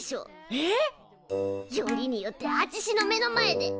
えっ！？よりによってあちしの目の前で！